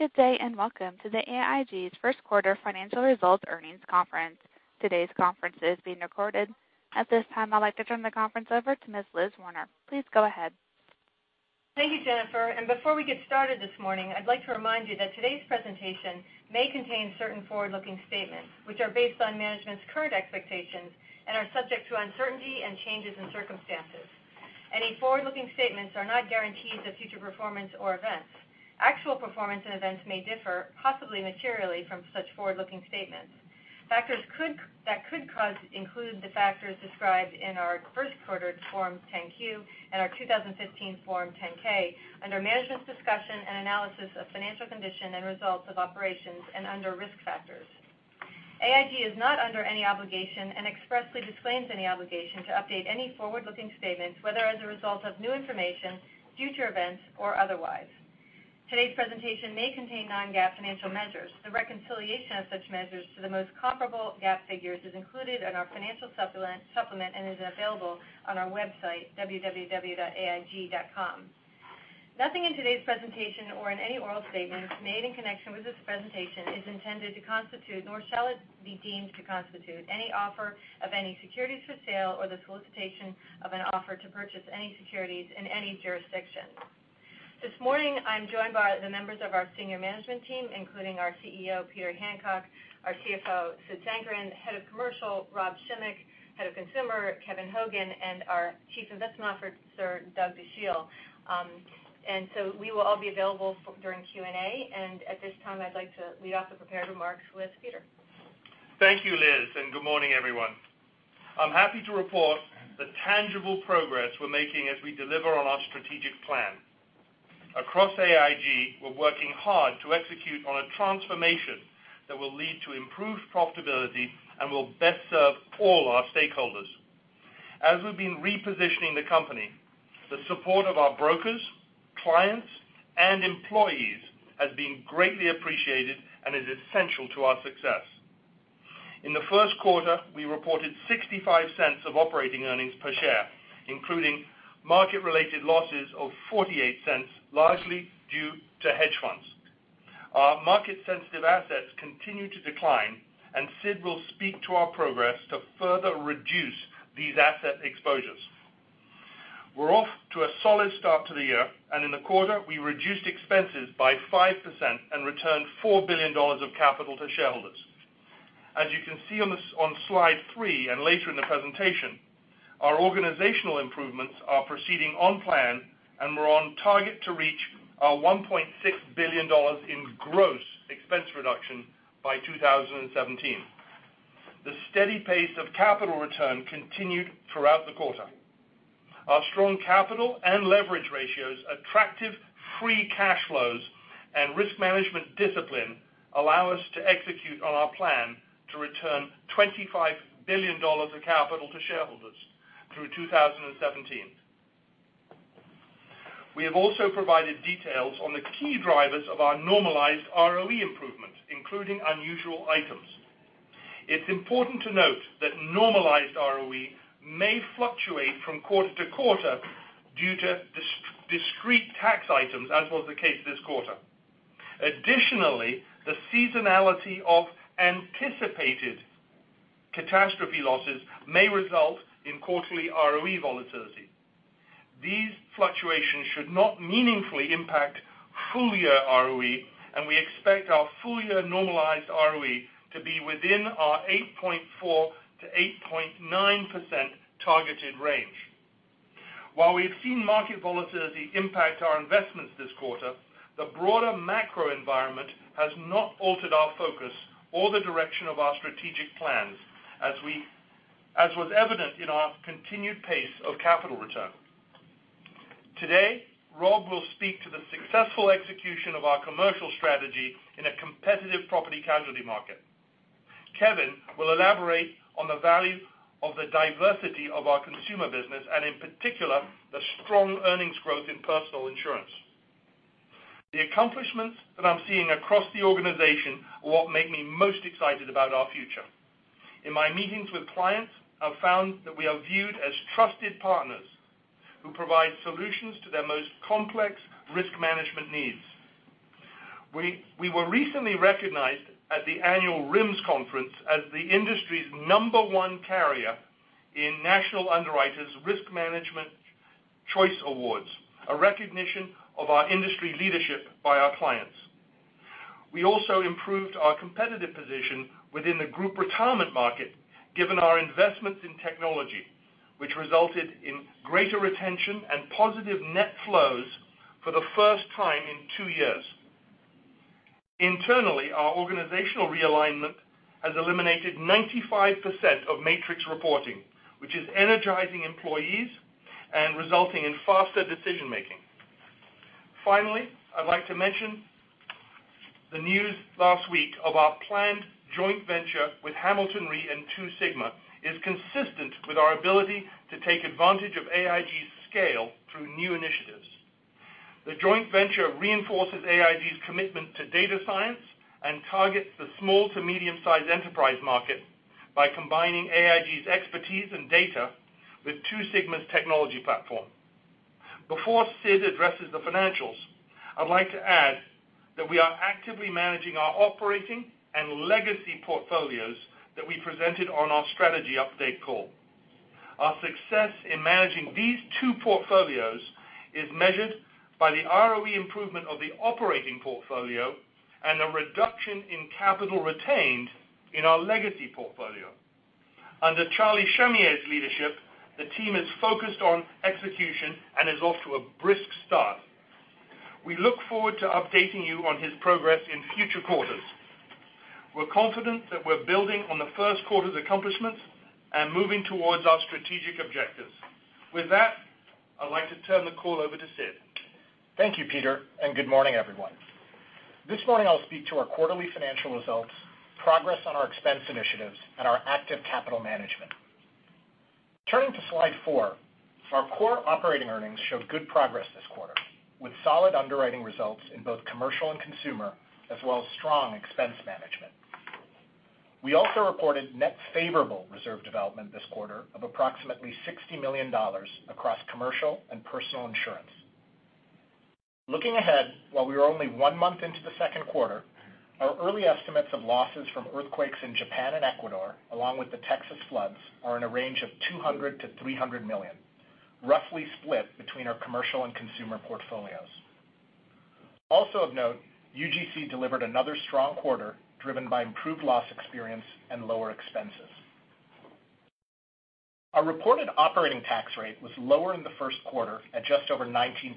Good day, welcome to the AIG's first quarter financial results earnings conference. Today's conference is being recorded. At this time, I'd like to turn the conference over to Ms. Elizabeth Werner. Please go ahead. Thank you, Jennifer. Before we get started this morning, I'd like to remind you that today's presentation may contain certain forward-looking statements, which are based on management's current expectations and are subject to uncertainty and changes in circumstances. Any forward-looking statements are not guarantees of future performance or events. Actual performance and events may differ, possibly materially, from such forward-looking statements. Factors that could cause include the factors described in our first quarter Form 10-Q and our 2015 Form 10-K under Management's Discussion and Analysis of Financial Condition and Results of Operations and under Risk Factors. AIG is not under any obligation and expressly disclaims any obligation to update any forward-looking statements, whether as a result of new information, future events, or otherwise. Today's presentation may contain non-GAAP financial measures. The reconciliation of such measures to the most comparable GAAP figures is included in our financial supplement and is available on our website, www.aig.com. Nothing in today's presentation or in any oral statements made in connection with this presentation is intended to constitute, nor shall it be deemed to constitute any offer of any securities for sale or the solicitation of an offer to purchase any securities in any jurisdiction. This morning, I'm joined by the members of our senior management team, including our CEO, Peter Hancock, our CFO, Sid Sankaran, Head of Commercial, Rob Schimek, Head of Consumer, Kevin Hogan, and our Chief Investment Officer, Douglas Dachille. We will all be available during Q&A. At this time, I'd like to lead off the prepared remarks with Peter. Thank you, Liz. Good morning, everyone. I'm happy to report the tangible progress we're making as we deliver on our strategic plan. Across AIG, we're working hard to execute on a transformation that will lead to improved profitability and will best serve all our stakeholders. As we've been repositioning the company, the support of our brokers, clients, and employees has been greatly appreciated and is essential to our success. In the first quarter, we reported $0.65 of operating earnings per share, including market-related losses of $0.48, largely due to hedge funds. Our market-sensitive assets continue to decline, Sid will speak to our progress to further reduce these asset exposures. We're off to a solid start to the year, in the quarter, we reduced expenses by 5% and returned $4 billion of capital to shareholders. As you can see on slide three and later in the presentation, our organizational improvements are proceeding on plan, and we're on target to reach our $1.6 billion in gross expense reduction by 2017. The steady pace of capital return continued throughout the quarter. Our strong capital and leverage ratios, attractive free cash flows, and risk management discipline allow us to execute on our plan to return $25 billion of capital to shareholders through 2017. We have also provided details on the key drivers of our normalized ROE improvements, including unusual items. It's important to note that normalized ROE may fluctuate from quarter to quarter due to discrete tax items, as was the case this quarter. Additionally, the seasonality of anticipated catastrophe losses may result in quarterly ROE volatility. These fluctuations should not meaningfully impact full-year ROE, and we expect our full-year normalized ROE to be within our 8.4%-8.9% targeted range. While we've seen market volatility impact our investments this quarter, the broader macro environment has not altered our focus or the direction of our strategic plans, as was evident in our continued pace of capital return. Today, Rob will speak to the successful execution of our commercial strategy in a competitive property casualty market. Kevin will elaborate on the value of the diversity of our consumer business and, in particular, the strong earnings growth in personal insurance. The accomplishments that I'm seeing across the organization are what make me most excited about our future. In my meetings with clients, I've found that we are viewed as trusted partners who provide solutions to their most complex risk management needs. We were recently recognized at the annual RIMS conference as the industry's number one carrier in National Underwriter's Risk Manager Choice Awards, a recognition of our industry leadership by our clients. We also improved our competitive position within the group retirement market, given our investments in technology, which resulted in greater retention and positive net flows for the first time in two years. Internally, our organizational realignment has eliminated 95% of matrix reporting, which is energizing employees and resulting in faster decision-making. Finally, I'd like to mention the news last week of our planned joint venture with Hamilton Re and Two Sigma is consistent with our ability to take advantage of AIG's scale through new initiatives. The joint venture reinforces AIG's commitment to data science and targets the small to medium-sized enterprise market by combining AIG's expertise and data with Two Sigma's technology platform. Before Sid addresses the financials, I'd like to add that we are actively managing our operating and legacy portfolios that we presented on our strategy update call. Our success in managing these two portfolios is measured by the ROE improvement of the operating portfolio and a reduction in capital retained in our legacy portfolio. Under Charlie Shamieh's leadership, the team is focused on execution and is off to a brisk start. We look forward to updating you on his progress in future quarters. We're confident that we're building on the first quarter's accomplishments and moving towards our strategic objectives. With that, I'd like to turn the call over to Sid. Thank you, Peter, and good morning, everyone. This morning I'll speak to our quarterly financial results, progress on our expense initiatives, and our active capital management. Turning to slide four, our core operating earnings showed good progress this quarter, with solid underwriting results in both commercial and consumer, as well as strong expense management. We also reported net favorable reserve development this quarter of approximately $60 million across commercial and personal insurance. Looking ahead, while we are only one month into the second quarter, our early estimates of losses from earthquakes in Japan and Ecuador, along with the Texas floods, are in a range of $200 million-$300 million, roughly split between our commercial and consumer portfolios. Also of note, UGC delivered another strong quarter, driven by improved loss experience and lower expenses. Our reported operating tax rate was lower in the first quarter at just over 19%,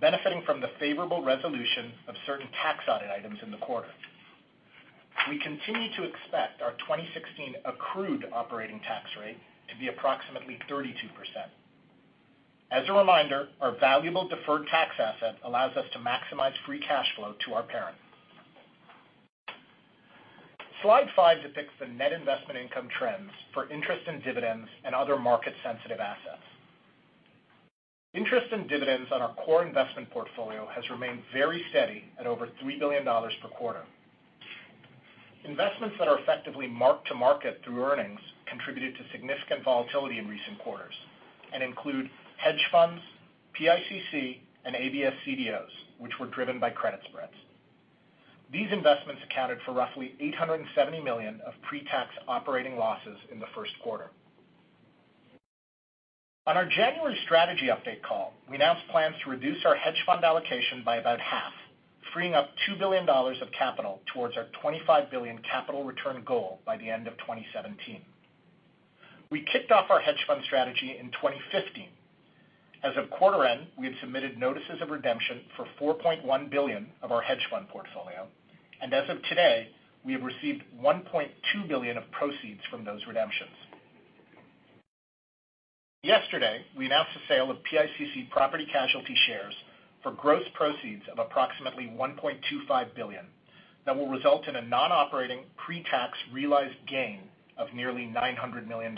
benefiting from the favorable resolution of certain tax audit items in the quarter. We continue to expect our 2016 accrued operating tax rate to be approximately 32%. As a reminder, our valuable deferred tax asset allows us to maximize free cash flow to our parent. Slide five depicts the net investment income trends for interest and dividends and other market-sensitive assets. Interest and dividends on our core investment portfolio has remained very steady at over $3 billion per quarter. Investments that are effectively marked to market through earnings contributed to significant volatility in recent quarters and include hedge funds, PICC and ABS CDOs, which were driven by credit spreads. These investments accounted for roughly $870 million of pre-tax operating losses in the first quarter. On our January strategy update call, we announced plans to reduce our hedge fund allocation by about half, freeing up $2 billion of capital towards our $25 billion capital return goal by the end of 2017. We kicked off our hedge fund strategy in 2015. As of quarter end, we have submitted notices of redemption for $4.1 billion of our hedge fund portfolio, and as of today, we have received $1.2 billion of proceeds from those redemptions. Yesterday, we announced the sale of PICC Property Casualty shares for gross proceeds of approximately $1.25 billion that will result in a non-operating pre-tax realized gain of nearly $900 million.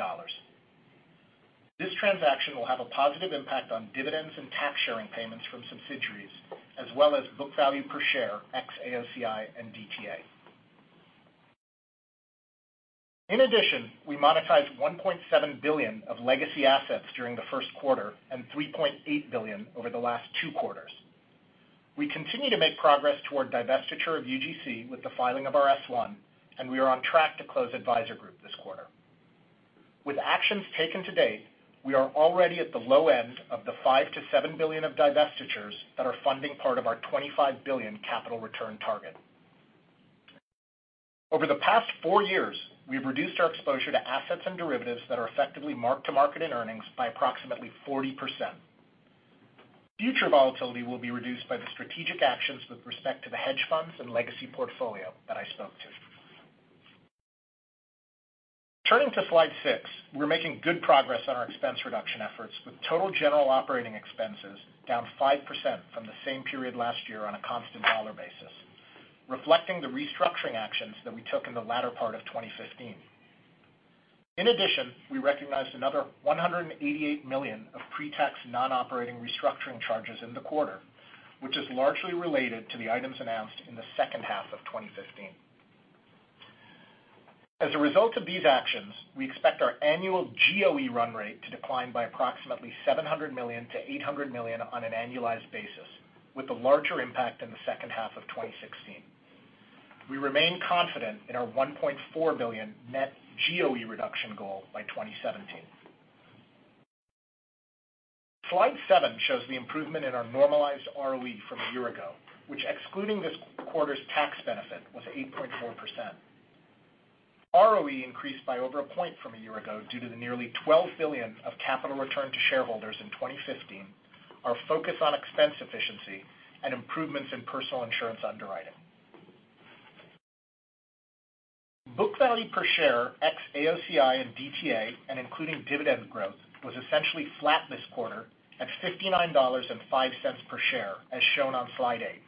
This transaction will have a positive impact on dividends and tax-sharing payments from subsidiaries, as well as book value per share ex-AOCI and DTA. In addition, we monetized $1.7 billion of legacy assets during the first quarter and $3.8 billion over the last two quarters. We continue to make progress toward divestiture of UGC with the filing of our S1, and we are on track to close Advisor Group this quarter. With actions taken to date, we are already at the low end of the $5 billion-$7 billion of divestitures that are funding part of our $25 billion capital return target. Over the past four years, we've reduced our exposure to assets and derivatives that are effectively marked to market and earnings by approximately 40%. Future volatility will be reduced by the strategic actions with respect to the hedge funds and legacy portfolio that I spoke to. Turning to slide six, we're making good progress on our expense reduction efforts, with total general operating expenses down 5% from the same period last year on a constant dollar basis, reflecting the restructuring actions that we took in the latter part of 2015. In addition, we recognized another $188 million of pre-tax non-operating restructuring charges in the quarter, which is largely related to the items announced in the second half of 2015. As a result of these actions, we expect our annual GOE run rate to decline by approximately $700 million-$800 million on an annualized basis, with a larger impact in the second half of 2016. We remain confident in our $1.4 billion net GOE reduction goal by 2017. Slide seven shows the improvement in our normalized ROE from a year ago, which excluding this quarter's tax benefit, was 8.4%. ROE increased by over a point from a year ago due to the nearly $12 billion of capital returned to shareholders in 2015, our focus on expense efficiency, and improvements in personal insurance underwriting. Book value per share ex-AOCI and DTA and including dividend growth was essentially flat this quarter at $59.05 per share, as shown on slide eight,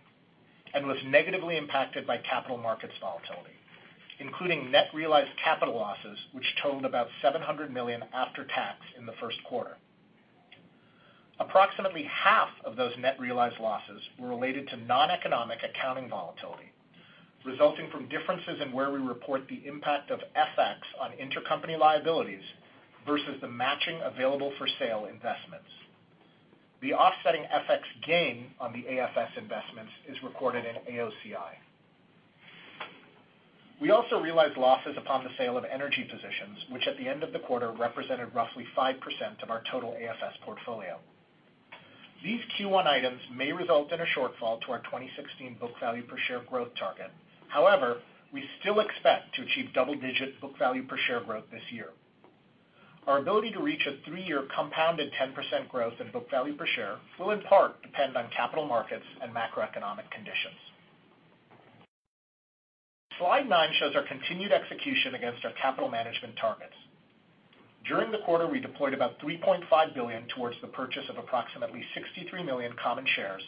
and was negatively impacted by capital markets volatility, including net realized capital losses, which totaled about $700 million after tax in the first quarter. Approximately half of those net realized losses were related to non-economic accounting volatility, resulting from differences in where we report the impact of FX on intercompany liabilities versus the matching available-for-sale investments. The offsetting FX gain on the AFS investments is recorded in AOCI. We also realized losses upon the sale of energy positions, which at the end of the quarter represented roughly 5% of our total AFS portfolio. These Q1 items may result in a shortfall to our 2016 book value per share growth target. However, we still expect to achieve double-digit book value per share growth this year. Our ability to reach a three-year compounded 10% growth in book value per share will in part depend on capital markets and macroeconomic conditions. Slide nine shows our continued execution against our capital management targets. During the quarter, we deployed about $3.5 billion towards the purchase of approximately 63 million common shares,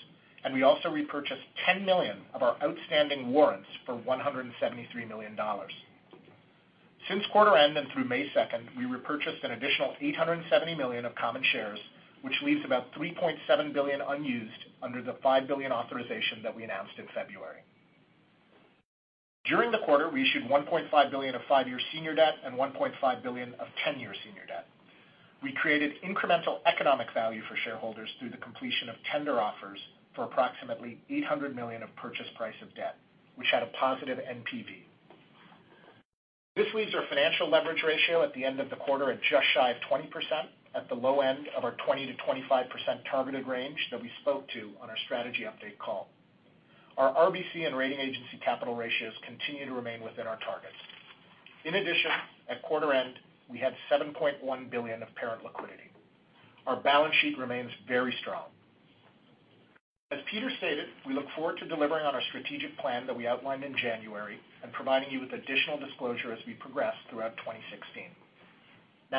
and we also repurchased 10 million of our outstanding warrants for $173 million. Since quarter end and through May 2nd, we repurchased an additional 870 million of common shares, which leaves about $3.7 billion unused under the $5 billion authorization that we announced in February. During the quarter, we issued $1.5 billion of five-year senior debt and $1.5 billion of 10-year senior debt. We created incremental economic value for shareholders through the completion of tender offers for approximately $800 million of purchase price of debt, which had a positive NPV. This leaves our financial leverage ratio at the end of the quarter at just shy of 20% at the low end of our 20%-25% targeted range that we spoke to on our strategy update call. Our RBC and rating agency capital ratios continue to remain within our targets. In addition, at quarter end, we had $7.1 billion of parent liquidity. Our balance sheet remains very strong. As Peter stated, we look forward to delivering on our strategic plan that we outlined in January and providing you with additional disclosure as we progress throughout 2016.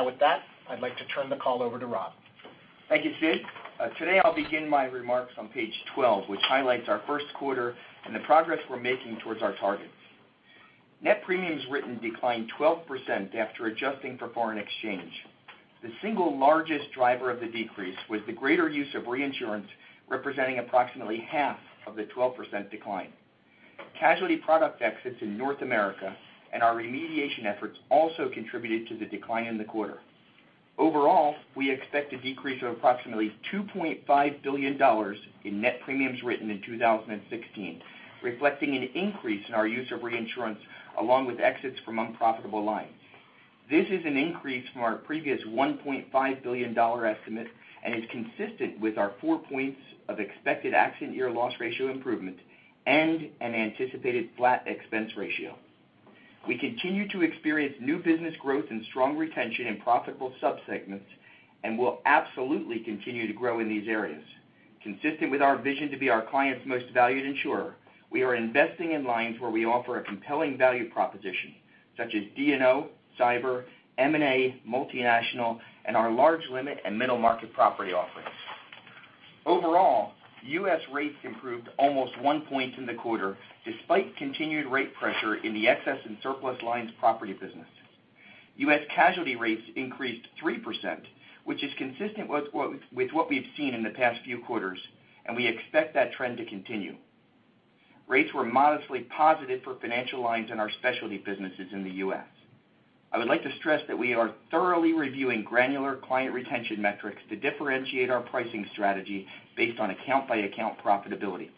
With that, I'd like to turn the call over to Rob. Thank you, Sid. Today I'll begin my remarks on page 12, which highlights our first quarter and the progress we're making towards our targets. Net premiums written declined 12% after adjusting for foreign exchange. The single largest driver of the decrease was the greater use of reinsurance, representing approximately half of the 12% decline. Casualty product exits in North America and our remediation efforts also contributed to the decline in the quarter. Overall, we expect a decrease of approximately $2.5 billion in net premiums written in 2016, reflecting an increase in our use of reinsurance along with exits from unprofitable lines. This is an increase from our previous $1.5 billion estimate and is consistent with our four points of expected accident year loss ratio improvement and an anticipated flat expense ratio. We continue to experience new business growth and strong retention in profitable subsegments and will absolutely continue to grow in these areas. Consistent with our vision to be our clients' most valued insurer, we are investing in lines where we offer a compelling value proposition, such as D&O, cyber, M&A, multinational, and our large limit and middle market property offerings. Overall, U.S. rates improved almost one point in the quarter despite continued rate pressure in the excess in surplus lines property business. U.S. casualty rates increased 3%, which is consistent with what we've seen in the past few quarters, and we expect that trend to continue. Rates were modestly positive for financial lines in our specialty businesses in the U.S. I would like to stress that we are thoroughly reviewing granular client retention metrics to differentiate our pricing strategy based on account-by-account profitability.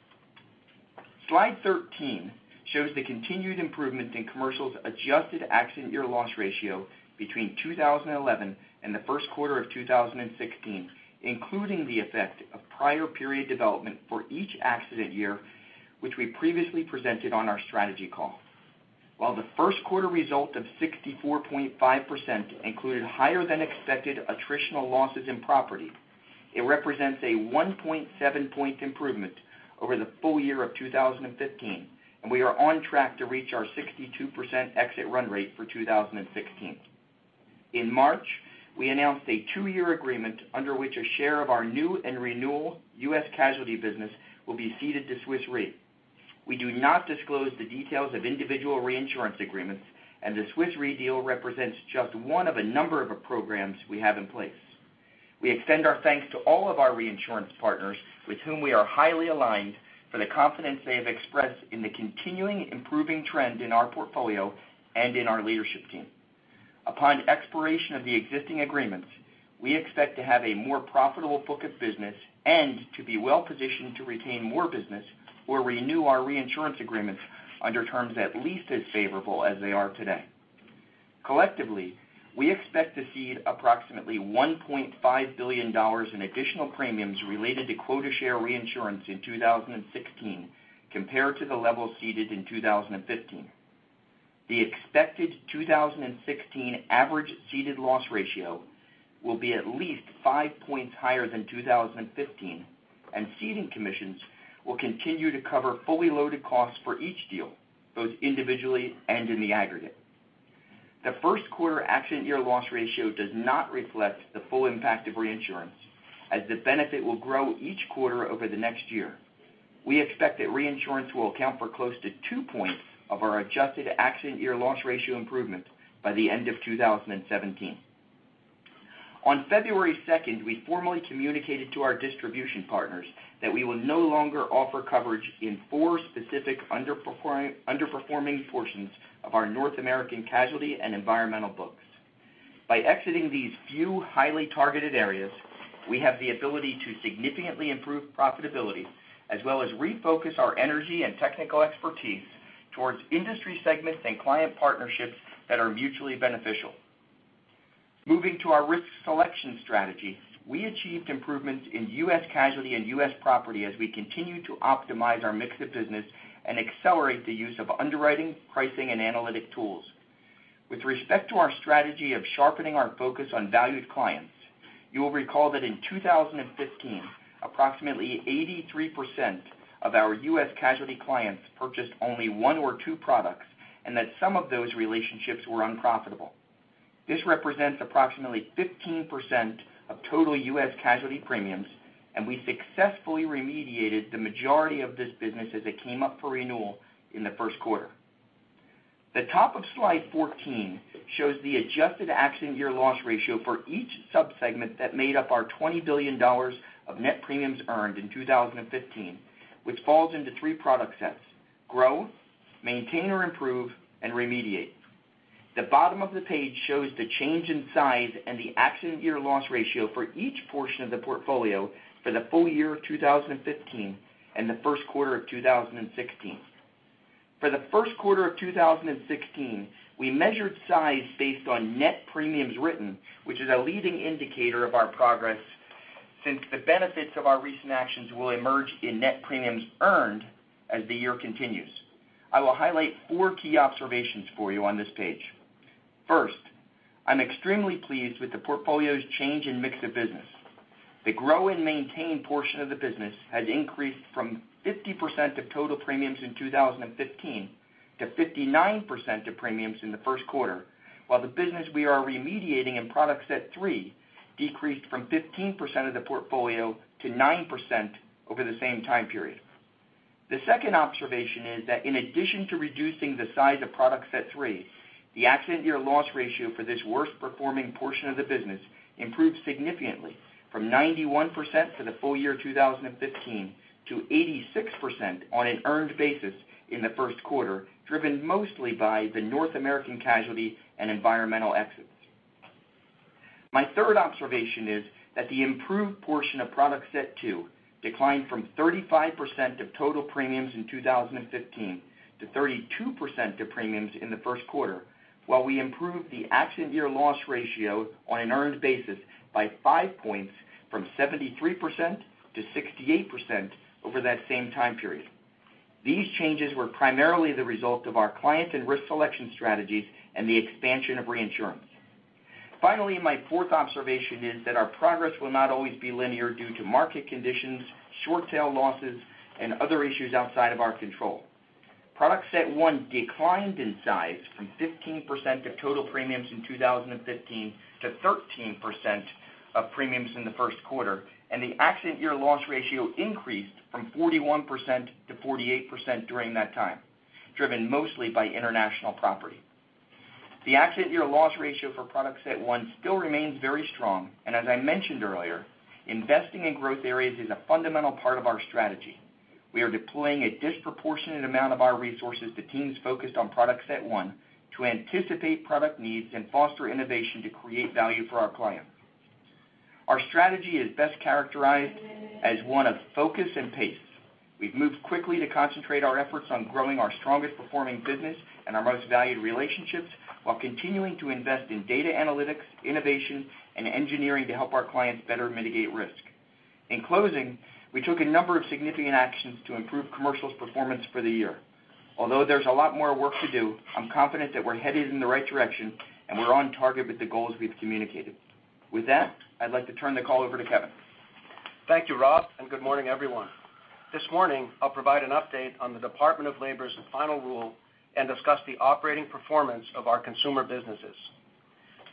Slide 13 shows the continued improvement in Commercial's adjusted accident year loss ratio between 2011 and the first quarter of 2016, including the effect of prior period development for each accident year, which we previously presented on our strategy call. While the first quarter result of 64.5% included higher than expected attritional losses in property, it represents a 1.7 point improvement over the full year of 2015, and we are on track to reach our 62% exit run rate for 2016. In March, we announced a two-year agreement under which a share of our new and renewal U.S. casualty business will be ceded to Swiss Re. We do not disclose the details of individual reinsurance agreements, and the Swiss Re deal represents just one of a number of programs we have in place. We extend our thanks to all of our reinsurance partners with whom we are highly aligned for the confidence they have expressed in the continuing improving trend in our portfolio and in our leadership team. Upon expiration of the existing agreements, we expect to have a more profitable book of business and to be well-positioned to retain more business or renew our reinsurance agreements under terms at least as favorable as they are today. Collectively, we expect to cede approximately $1.5 billion in additional premiums related to quota share reinsurance in 2016 compared to the level ceded in 2015. The expected 2016 average ceded loss ratio will be at least five points higher than 2015, and ceding commissions will continue to cover fully loaded costs for each deal, both individually and in the aggregate. The first quarter accident year loss ratio does not reflect the full impact of reinsurance, as the benefit will grow each quarter over the next year. We expect that reinsurance will account for close to two points of our adjusted accident year loss ratio improvement by the end of 2017. On February 2nd, we formally communicated to our distribution partners that we will no longer offer coverage in four specific underperforming portions of our North American casualty and environmental books. By exiting these few highly targeted areas, we have the ability to significantly improve profitability as well as refocus our energy and technical expertise towards industry segments and client partnerships that are mutually beneficial. Moving to our risk selection strategy, we achieved improvements in U.S. casualty and U.S. property as we continue to optimize our mix of business and accelerate the use of underwriting, pricing, and analytic tools. With respect to our strategy of sharpening our focus on valued clients, you will recall that in 2015, approximately 83% of our U.S. casualty clients purchased only one or two products, and that some of those relationships were unprofitable. This represents approximately 15% of total U.S. casualty premiums, and we successfully remediated the majority of this business as it came up for renewal in the first quarter. The top of slide 14 shows the adjusted accident year loss ratio for each sub-segment that made up our $20 billion of net premiums earned in 2015, which falls into three product sets, grow, maintain or improve, and remediate. The bottom of the page shows the change in size and the accident year loss ratio for each portion of the portfolio for the full year of 2015 and the first quarter of 2016. For the first quarter of 2016, we measured size based on net premiums written, which is a leading indicator of our progress since the benefits of our recent actions will emerge in net premiums earned as the year continues. I will highlight four key observations for you on this page. First, I'm extremely pleased with the portfolio's change in mix of business. The grow and maintain portion of the business has increased from 50% of total premiums in 2015 to 59% of premiums in the first quarter, while the business we are remediating in Product Set 3 decreased from 15% of the portfolio to 9% over the same time period. The second observation is that in addition to reducing the size of Product Set 3, the accident year loss ratio for this worst-performing portion of the business improved significantly from 91% for the full year 2015 to 86% on an earned basis in the first quarter, driven mostly by the North American casualty and environmental exits. My third observation is that the improved portion of Product Set 2 declined from 35% of total premiums in 2015 to 32% of premiums in the first quarter, while we improved the accident year loss ratio on an earned basis by five points from 73% to 68% over that same time period. These changes were primarily the result of our client and risk selection strategies and the expansion of reinsurance. My fourth observation is that our progress will not always be linear due to market conditions, short tail losses, and other issues outside of our control. Product set 1 declined in size from 15% of total premiums in 2015 to 13% of premiums in the first quarter, and the accident year loss ratio increased from 41% to 48% during that time, driven mostly by international property. The accident year loss ratio for Product Set 1 still remains very strong, and as I mentioned earlier, investing in growth areas is a fundamental part of our strategy. We are deploying a disproportionate amount of our resources to teams focused on Product Set 1 to anticipate product needs and foster innovation to create value for our clients. Our strategy is best characterized as one of focus and pace. We've moved quickly to concentrate our efforts on growing our strongest performing business and our most valued relationships while continuing to invest in data analytics, innovation, and engineering to help our clients better mitigate risk. In closing, we took a number of significant actions to improve Commercial's performance for the year. Although there's a lot more work to do, I'm confident that we're headed in the right direction and we're on target with the goals we've communicated. With that, I'd like to turn the call over to Kevin. Thank you, Rob, and good morning, everyone. This morning, I'll provide an update on the Department of Labor's final rule and discuss the operating performance of our consumer businesses.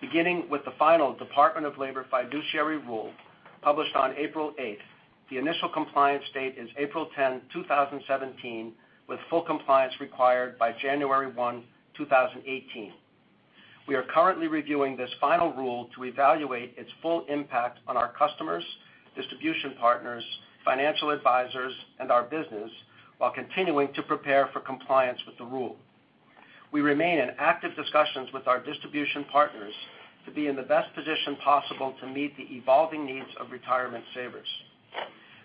Beginning with the final Department of Labor fiduciary rule published on April 8th, the initial compliance date is April 10, 2017, with full compliance required by January 1, 2018. We are currently reviewing this final rule to evaluate its full impact on our customers, distribution partners, financial advisors, and our business while continuing to prepare for compliance with the rule. We remain in active discussions with our distribution partners to be in the best position possible to meet the evolving needs of retirement savers.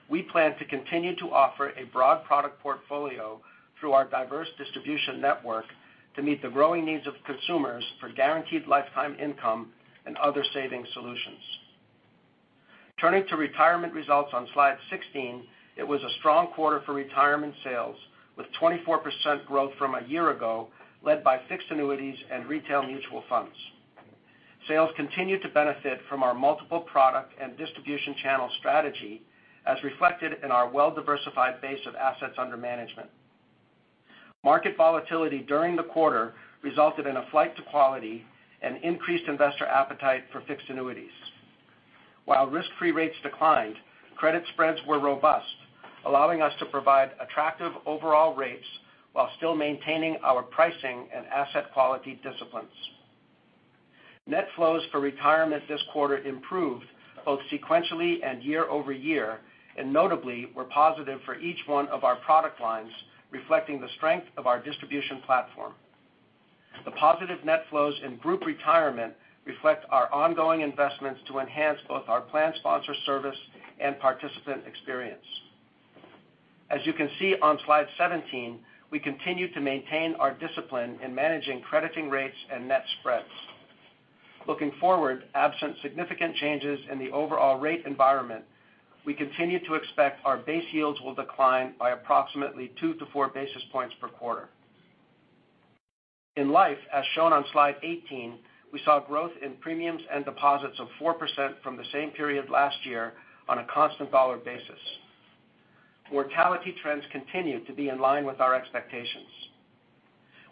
We plan to continue to offer a broad product portfolio through our diverse distribution network to meet the growing needs of consumers for guaranteed lifetime income and other saving solutions. Turning to retirement results on slide 16, it was a strong quarter for retirement sales with 24% growth from a year ago led by fixed annuities and retail mutual funds. Sales continued to benefit from our multiple product and distribution channel strategy as reflected in our well-diversified base of assets under management. Market volatility during the quarter resulted in a flight to quality and increased investor appetite for fixed annuities. While risk-free rates declined, credit spreads were robust, allowing us to provide attractive overall rates while still maintaining our pricing and asset quality disciplines. Net flows for retirement this quarter improved both sequentially and year-over-year, and notably were positive for each one of our product lines, reflecting the strength of our distribution platform. The positive net flows in group retirement reflect our ongoing investments to enhance both our plan sponsor service and participant experience. As you can see on slide 17, we continue to maintain our discipline in managing crediting rates and net spreads. Looking forward, absent significant changes in the overall rate environment, we continue to expect our base yields will decline by approximately two to four basis points per quarter. In life, as shown on slide 18, we saw growth in premiums and deposits of 4% from the same period last year on a constant dollar basis. Mortality trends continue to be in line with our expectations.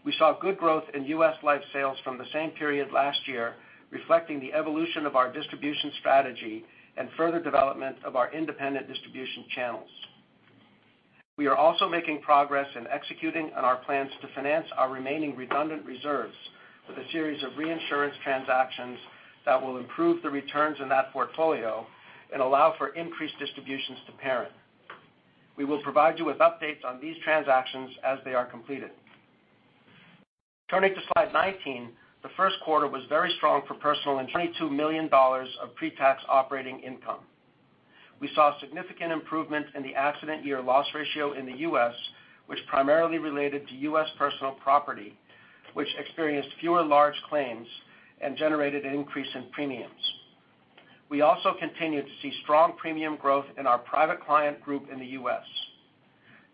We saw good growth in U.S. life sales from the same period last year, reflecting the evolution of our distribution strategy and further development of our independent distribution channels. We are also making progress in executing on our plans to finance our remaining redundant reserves with a series of reinsurance transactions that will improve the returns in that portfolio and allow for increased distributions to parent. We will provide you with updates on these transactions as they are completed. Turning to slide 19, the first quarter was very strong for personal and $22 million of pre-tax operating income. We saw significant improvement in the accident year loss ratio in the U.S., which primarily related to U.S. personal property, which experienced fewer large claims and generated an increase in premiums. We also continued to see strong premium growth in our Private Client Group in the U.S.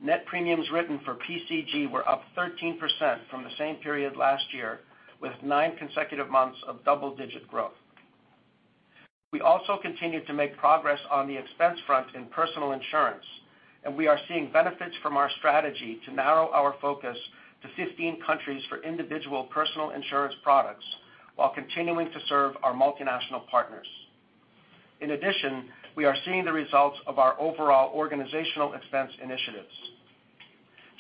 Net premiums written for PCG were up 13% from the same period last year, with nine consecutive months of double-digit growth. We also continued to make progress on the expense front in personal insurance. We are seeing benefits from our strategy to narrow our focus to 15 countries for individual personal insurance products while continuing to serve our multinational partners. In addition, we are seeing the results of our overall organizational expense initiatives.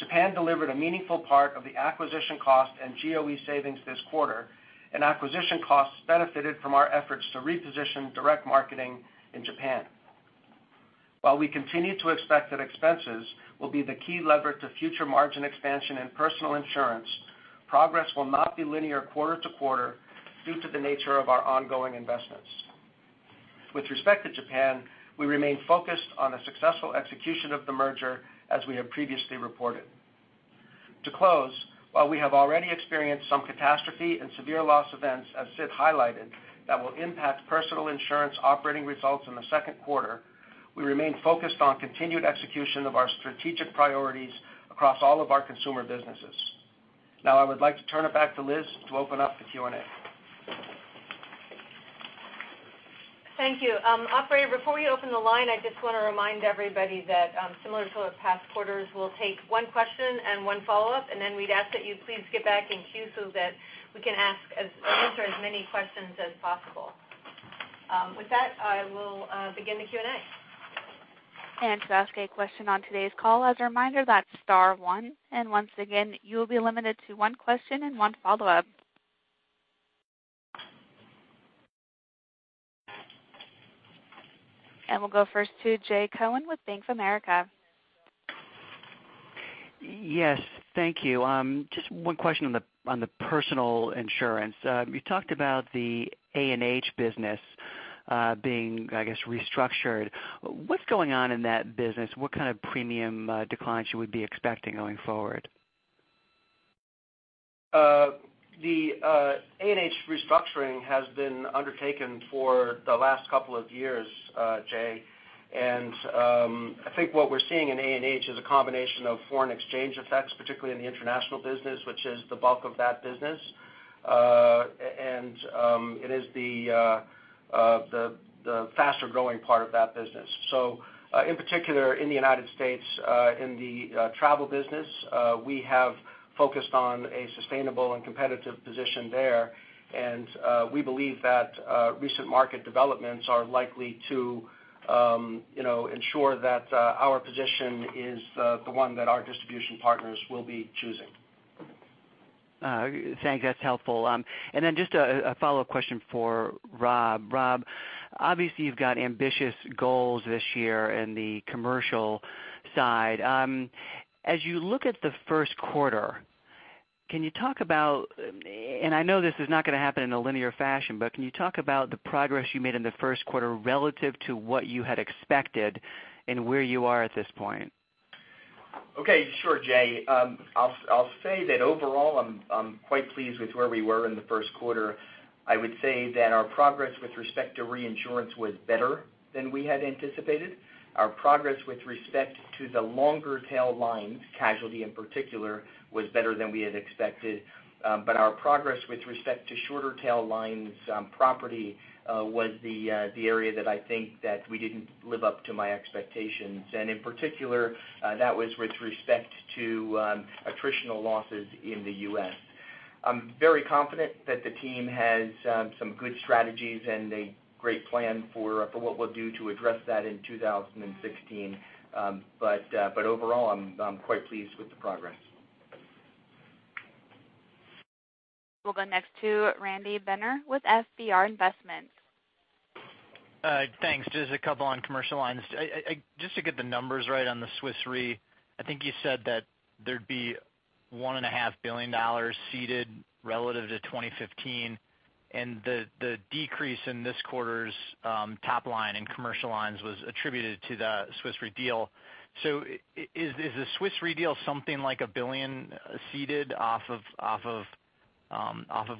Japan delivered a meaningful part of the acquisition cost and GOE savings this quarter, and acquisition costs benefited from our efforts to reposition direct marketing in Japan. While we continue to expect that expenses will be the key lever to future margin expansion in personal insurance, progress will not be linear quarter-to-quarter due to the nature of our ongoing investments. With respect to Japan, we remain focused on a successful execution of the merger, as we have previously reported. To close, while we have already experienced some catastrophe and severe loss events, as Sid highlighted, that will impact personal insurance operating results in the second quarter, we remain focused on continued execution of our strategic priorities across all of our consumer businesses. I would like to turn it back to Liz to open up to Q&A. Thank you. Operator, before we open the line, I just want to remind everybody that similar to past quarters, we'll take one question and one follow-up, we'd ask that you please get back in queue so that we can answer as many questions as possible. With that, I will begin the Q&A. To ask a question on today's call, as a reminder, that's star one. Once again, you will be limited to one question and one follow-up. We'll go first to Jay Cohen with Bank of America. Yes. Thank you. Just one question on the personal insurance. You talked about the A&H business being, I guess, restructured. What's going on in that business? What kind of premium declines should we be expecting going forward? The A&H restructuring has been undertaken for the last couple of years, Jay. I think what we're seeing in A&H is a combination of foreign exchange effects, particularly in the international business, which is the bulk of that business, and it is the faster-growing part of that business. In particular, in the United States, in the travel business, we have focused on a sustainable and competitive position there, and we believe that recent market developments are likely to ensure that our position is the one that our distribution partners will be choosing. Thanks. That's helpful. Just a follow-up question for Rob. Rob, obviously, you've got ambitious goals this year in the commercial side. As you look at the first quarter, and I know this is not going to happen in a linear fashion, can you talk about the progress you made in the first quarter relative to what you had expected and where you are at this point? Okay, sure, Jay. I'll say that overall, I'm quite pleased with where we were in the first quarter. I would say that our progress with respect to reinsurance was better than we had anticipated. Our progress with respect to the longer tail lines, casualty in particular, was better than we had expected. Our progress with respect to shorter tail lines, property, was the area that I think that we didn't live up to my expectations. In particular, that was with respect to attritional losses in the U.S. I'm very confident that the team has some good strategies and a great plan for what we'll do to address that in 2016. Overall, I'm quite pleased with the progress. We'll go next to Randy Binner with FBR & Co. Thanks. Just a couple on commercial lines. Just to get the numbers right on the Swiss Re, I think you said that there'd be $1.5 billion ceded relative to 2015, and the decrease in this quarter's top line in commercial lines was attributed to the Swiss Re deal. Is the Swiss Re deal something like $1 billion ceded off of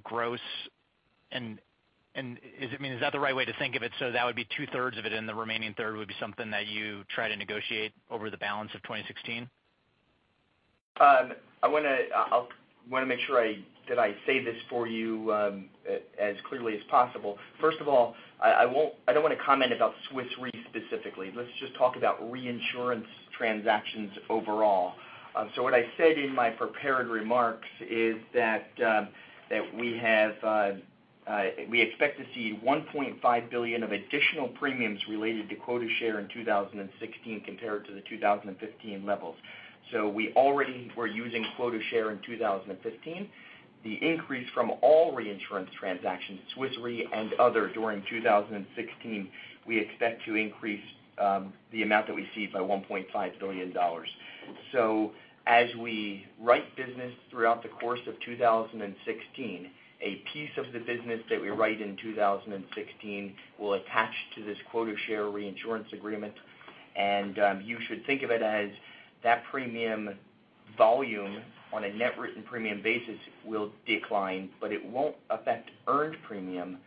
gross? Is that the right way to think of it? That would be two-thirds of it and the remaining third would be something that you try to negotiate over the balance of 2016? I want to make sure that I say this for you as clearly as possible. First of all, I don't want to comment about Swiss Re specifically. Let's just talk about reinsurance transactions overall. What I said in my prepared remarks is that we expect to see $1.5 billion of additional premiums related to quota share in 2016 compared to the 2015 levels. We already were using quota share in 2015. The increase from all reinsurance transactions, Swiss Re and others during 2016, we expect to increase the amount that we cede by $1.5 billion. As we write business throughout the course of 2016, a piece of the business that we write in 2016 will attach to this quota share reinsurance agreement, and you should think of it as that premium volume on a net written premium basis will decline, but it won't affect earned premium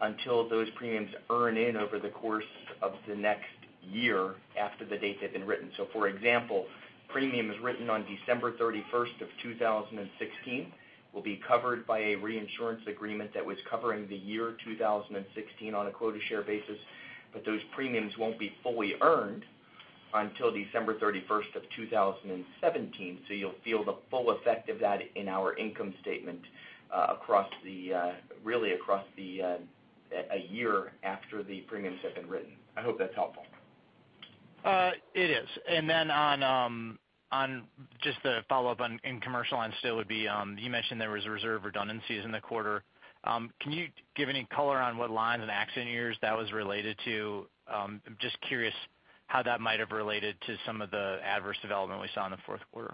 until those premiums earn in over the course of the next year after the date they've been written. For example, premiums written on December 31st of 2016 will be covered by a reinsurance agreement that was covering the year 2016 on a quota share basis, but those premiums won't be fully earned until December 31st of 2017. You'll feel the full effect of that in our income statement really across a year after the premiums have been written. I hope that's helpful. It is. Just a follow-up in commercial, still would be, you mentioned there was reserve redundancies in the quarter. Can you give any color on what lines and accident years that was related to? I'm just curious how that might have related to some of the adverse development we saw in the fourth quarter.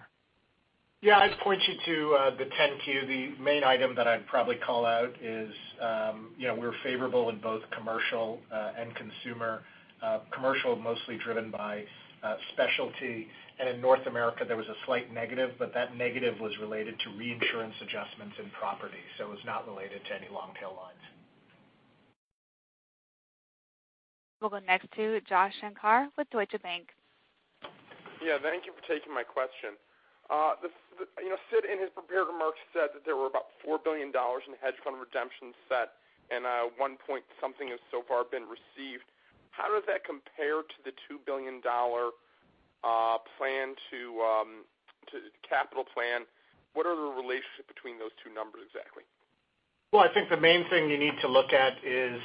Yeah. I'd point you to the 10-Q. The main item that I'd probably call out is we're favorable in both commercial and consumer. Commercial, mostly driven by specialty. In North America, there was a slight negative, but that negative was related to reinsurance adjustments in property, so it was not related to any long-tail lines. We'll go next to Joshua Shanker with Deutsche Bank. Yeah, thank you for taking my question. Sid, in his prepared remarks, said that there were about $4 billion in hedge fund redemptions set and one point something has so far been received. How does that compare to the $2 billion capital plan? What are the relationship between those two numbers exactly? Well, I think the main thing you need to look at is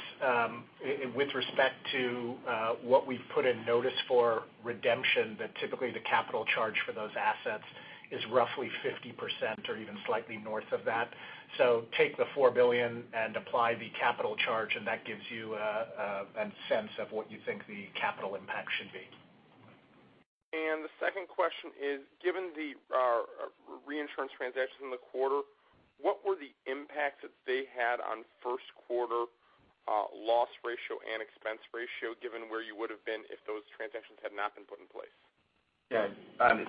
with respect to what we've put in notice for redemption, that typically the capital charge for those assets is roughly 50% or even slightly north of that. Take the $4 billion and apply the capital charge, and that gives you a sense of what you think the capital impact should be. The second question is, given the reinsurance transactions in the quarter, what were the impacts that they had on first quarter loss ratio and expense ratio, given where you would've been if those transactions had not been put in place? Yeah.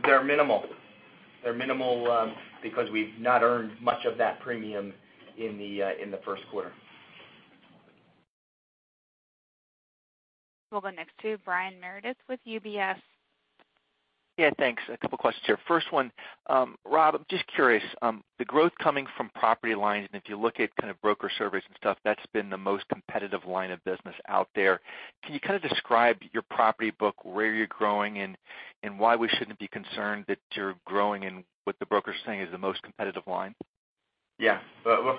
They're minimal. They're minimal because we've not earned much of that premium in the first quarter. We'll go next to Brian Meredith with UBS. Yeah, thanks. A couple questions here. First one, Rob, I'm just curious. The growth coming from property lines, and if you look at kind of broker surveys and stuff, that's been the most competitive line of business out there. Can you kind of describe your property book, where you're growing, and why we shouldn't be concerned that you're growing in what the broker's saying is the most competitive line? Yeah.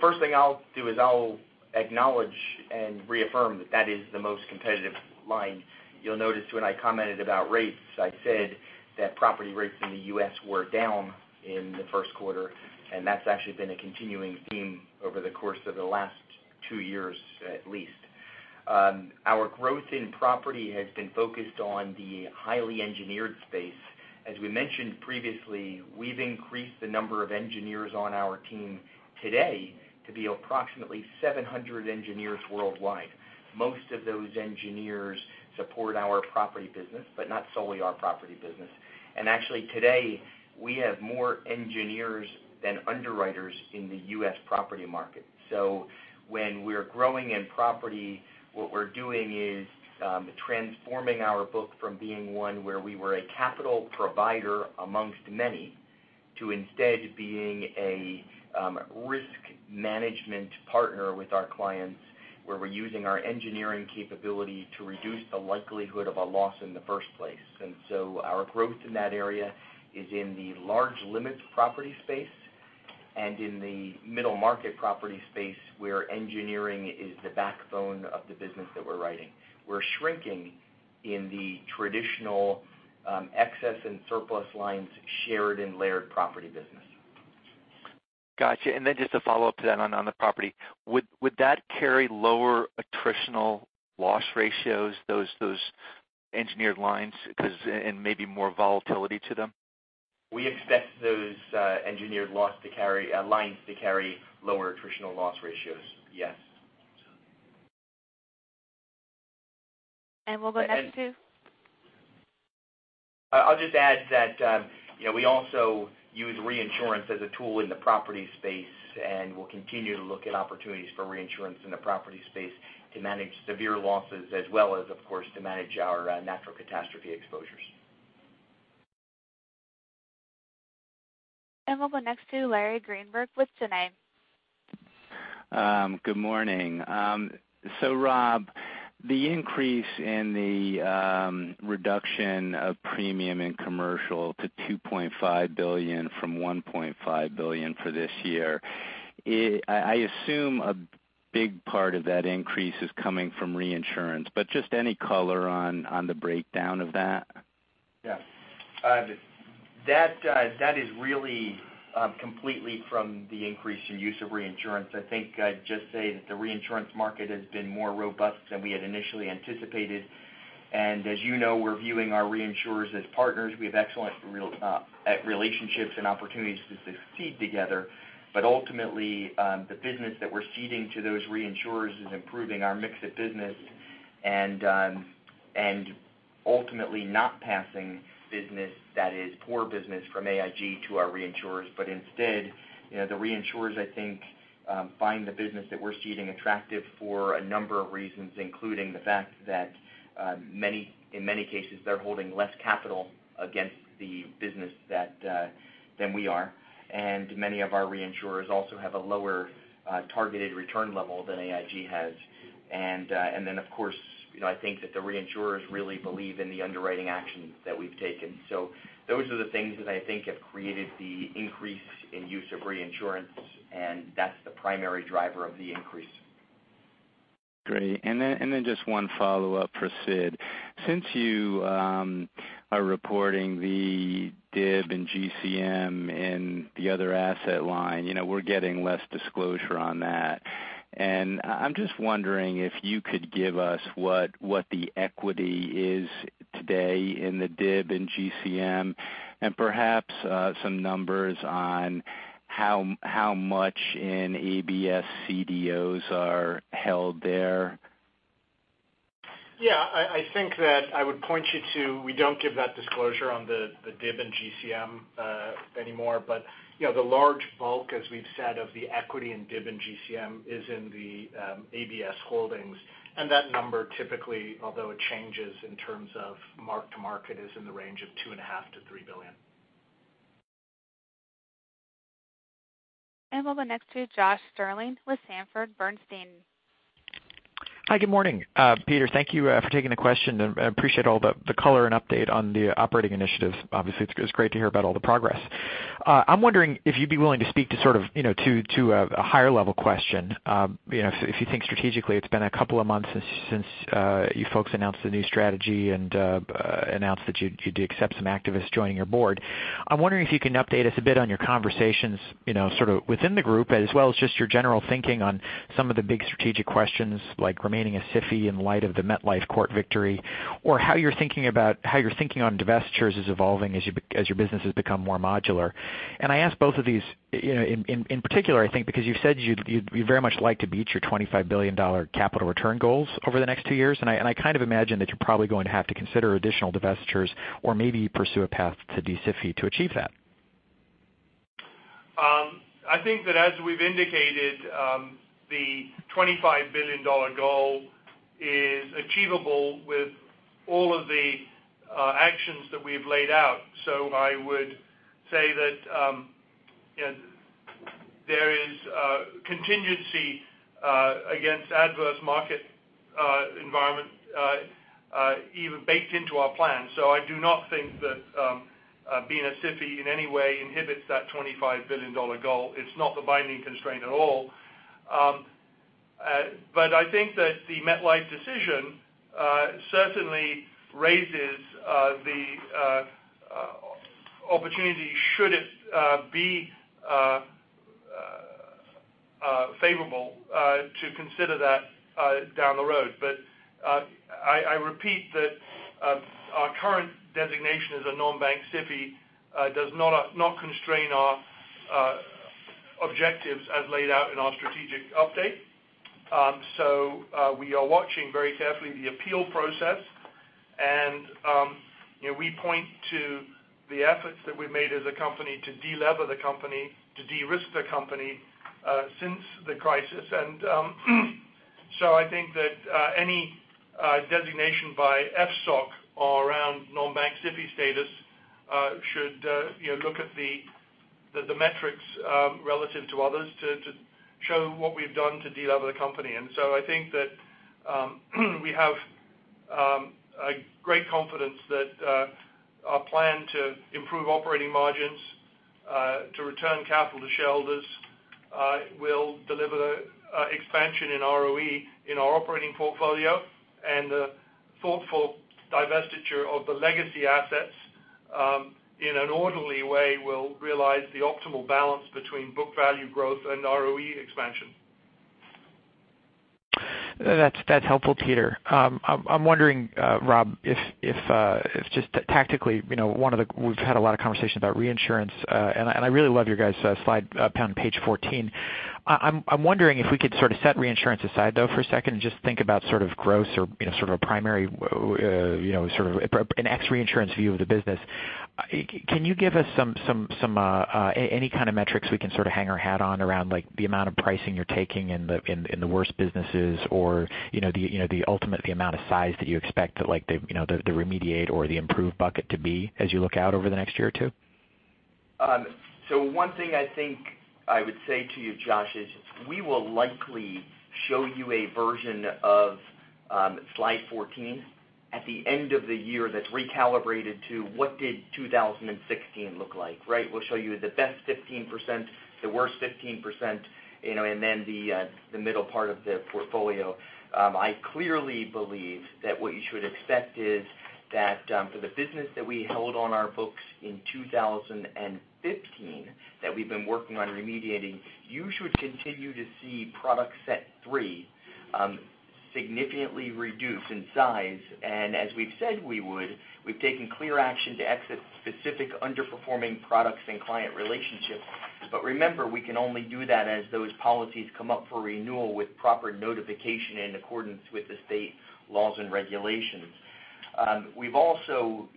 First thing I'll do is I'll acknowledge and reaffirm that that is the most competitive line. You'll notice when I commented about rates, I said that property rates in the U.S. were down in the first quarter, and that's actually been a continuing theme over the course of the last 2 years at least. Our growth in property has been focused on the highly engineered space. As we mentioned previously, we've increased the number of engineers on our team today to be approximately 700 engineers worldwide. Most of those engineers support our property business, but not solely our property business. Actually today, we have more engineers than underwriters in the U.S. property market. When we're growing in property, what we're doing is transforming our book from being one where we were a capital provider amongst many to instead being a risk management partner with our clients, where we're using our engineering capability to reduce the likelihood of a loss in the first place. Our growth in that area is in the large limits property space. In the middle market property space, where engineering is the backbone of the business that we're writing. We're shrinking in the traditional excess and surplus lines shared and layered property business. Got you. Just a follow-up to that on the property. Would that carry lower attritional loss ratios, those engineered lines? Because, maybe more volatility to them? We expect those engineered lines to carry lower attritional loss ratios. Yes. We'll go next to- I'll just add that we also use reinsurance as a tool in the property space. We'll continue to look at opportunities for reinsurance in the property space to manage severe losses as well as, of course, to manage our natural catastrophe exposures. We'll go next to Larry Greenberg with Teneo. Good morning. Rob, the increase in the reduction of premium in Commercial to $2.5 billion from $1.5 billion for this year, I assume a big part of that increase is coming from reinsurance, just any color on the breakdown of that? That is really completely from the increase in use of reinsurance. I think I'd just say that the reinsurance market has been more robust than we had initially anticipated, as you know, we're viewing our reinsurers as partners. We have excellent relationships and opportunities to succeed together. Ultimately, the business that we're ceding to those reinsurers is improving our mix of business and ultimately not passing business that is poor business from AIG to our reinsurers. Instead, the reinsurers, I think, find the business that we're ceding attractive for a number of reasons, including the fact that in many cases, they're holding less capital against the business than we are. Many of our reinsurers also have a lower targeted return level than AIG has. Then, of course, I think that the reinsurers really believe in the underwriting actions that we've taken. Those are the things that I think have created the increase in use of reinsurance, that's the primary driver of the increase. Great. Then just one follow-up for Sid. Since you are reporting the DIB and GCM in the other asset line, we're getting less disclosure on that. I'm just wondering if you could give us what the equity is today in the DIB and GCM and perhaps some numbers on how much in ABS CDOs are held there. Yeah, I think that I would point you to, we don't give that disclosure on the DIB and GCM anymore. The large bulk, as we've said, of the equity in DIB and GCM is in the ABS holdings. That number typically, although it changes in terms of mark-to-market, is in the range of $2.5 billion-$3 billion. We'll go next to Josh Stirling with Sanford C. Bernstein. Hi, good morning. Peter, thank you for taking the question. I appreciate all the color and update on the operating initiatives. Obviously, it's great to hear about all the progress. I'm wondering if you'd be willing to speak to sort of a higher level question. If you think strategically, it's been a couple of months since you folks announced the new strategy and announced that you'd accept some activists joining your board. I'm wondering if you can update us a bit on your conversations sort of within the group, as well as just your general thinking on some of the big strategic questions, like remaining a SIFI in light of the MetLife court victory, or how you're thinking on divestitures is evolving as your businesses become more modular. I ask both of these in particular, I think because you've said you'd very much like to beat your $25 billion capital return goals over the next two years, and I kind of imagine that you're probably going to have to consider additional divestitures or maybe pursue a path to de-SIFI to achieve that. I think that as we've indicated, the $25 billion goal is achievable with all of the actions that we've laid out. I would say that there is a contingency against adverse market environment even baked into our plan. I do not think that being a SIFI in any way inhibits that $25 billion goal. It's not the binding constraint at all. I think that the MetLife decision certainly raises the opportunity, should it be favorable, to consider that down the road. I repeat that our current designation as a non-bank SIFI does not constrain our objectives as laid out in our strategic update. We are watching very carefully the appeal process and we point to the efforts that we made as a company to de-lever the company, to de-risk the company since the crisis. I think that any designation by FSOC around non-bank SIFI status should look at the metrics relative to others to show what we've done to de-lever the company. I think that we have a great confidence that Our plan to improve operating margins, to return capital to shareholders will deliver the expansion in ROE in our operating portfolio, and the thoughtful divestiture of the legacy assets in an orderly way will realize the optimal balance between book value growth and ROE expansion. That's helpful, Peter. I'm wondering, Rob, if just tactically, we've had a lot of conversations about reinsurance, and I really love your guys' slide up on page 14. I'm wondering if we could sort of set reinsurance aside, though, for a second and just think about sort of gross or sort of a primary, sort of an ex reinsurance view of the business. Can you give us any kind of metrics we can sort of hang our hat on around the amount of pricing you're taking in the worst businesses or the ultimate amount of size that you expect the remediate or the improved bucket to be as you look out over the next year or two? One thing I think I would say to you, Josh, is we will likely show you a version of slide 14 at the end of the year that's recalibrated to what did 2016 look like, right? We'll show you the best 15%, the worst 15%, and then the middle part of the portfolio. I clearly believe that what you should expect is that for the business that we held on our books in 2015 that we've been working on remediating, you should continue to see Product Set 3 significantly reduce in size. As we've said we would, we've taken clear action to exit specific underperforming products and client relationships. Remember, we can only do that as those policies come up for renewal with proper notification in accordance with the state laws and regulations. We've also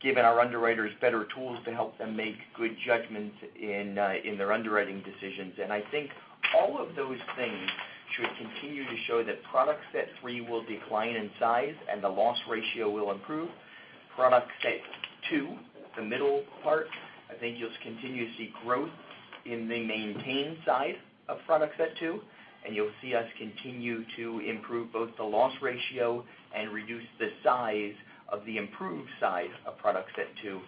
given our underwriters better tools to help them make good judgments in their underwriting decisions. I think all of those things should continue to show that Product Set 3 will decline in size and the loss ratio will improve. Product Set 2, the middle part, I think you'll continue to see growth in the maintain side of product Set 2, and you'll see us continue to improve both the loss ratio and reduce the size of the improved size of Product Set 2.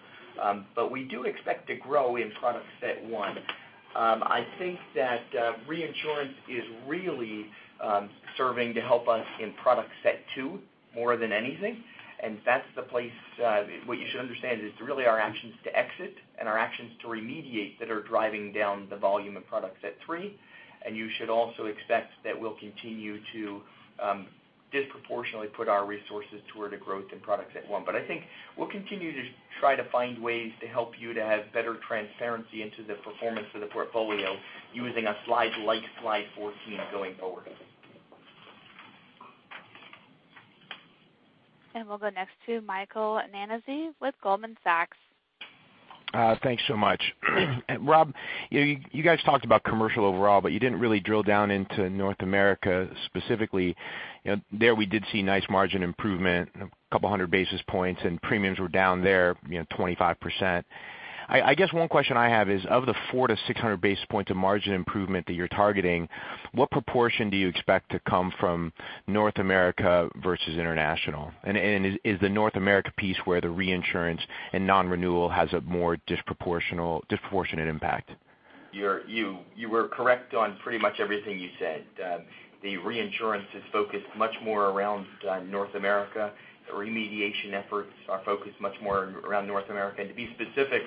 We do expect to grow in Product Set 1. I think that reinsurance is really serving to help us in Product Set 2 more than anything. That's the place, what you should understand is really our actions to exit and our actions to remediate that are driving down the volume of Product Set 3. You should also expect that we'll continue to disproportionately put our resources toward a growth in product set 1. I think we'll continue to try to find ways to help you to have better transparency into the performance of the portfolio using a slide like slide 14 going forward. We'll go next to Michael Nannizzi with Goldman Sachs. Thanks so much. Rob, you guys talked about commercial overall, but you didn't really drill down into North America specifically. There we did see nice margin improvement, 200 basis points and premiums were down there 25%. I guess one question I have is, of the 400-600 basis points of margin improvement that you're targeting, what proportion do you expect to come from North America versus international? Is the North America piece where the reinsurance and non-renewal has a more disproportionate impact? You were correct on pretty much everything you said. The reinsurance is focused much more around North America. The remediation efforts are focused much more around North America, and to be specific,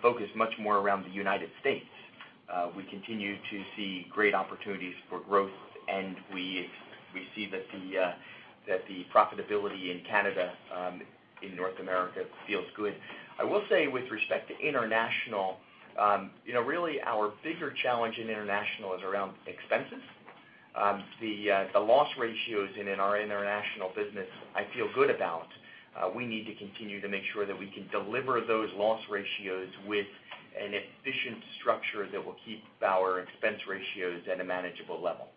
focused much more around the U.S. We continue to see great opportunities for growth, and we see that the profitability in Canada, in North America feels good. I will say with respect to international, really our bigger challenge in international is around expenses. The loss ratios in our international business I feel good about. We need to continue to make sure that we can deliver those loss ratios with an efficient structure that will keep our expense ratios at a manageable level.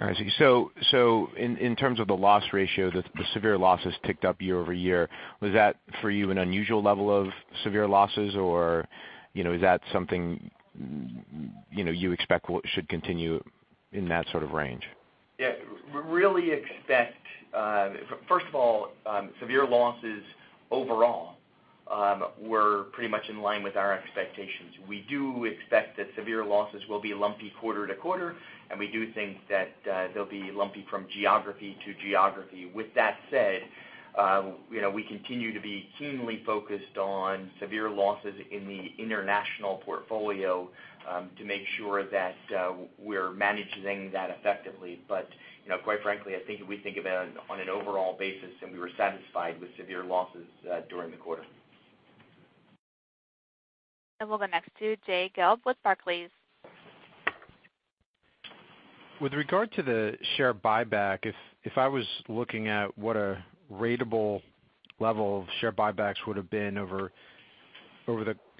I see. In terms of the loss ratio, the severe losses ticked up year-over-year. Was that for you an unusual level of severe losses or is that something you expect should continue in that sort of range? Yeah. First of all, severe losses overall were pretty much in line with our expectations. We do expect that severe losses will be lumpy quarter-to-quarter, and we do think that they'll be lumpy from geography to geography. With that said, we continue to be keenly focused on severe losses in the international portfolio to make sure that we're managing that effectively. Quite frankly, I think we think about it on an overall basis, and we were satisfied with severe losses during the quarter. We'll go next to Jay Gelb with Barclays. With regard to the share buyback, if I was looking at what a ratable level of share buybacks would've been over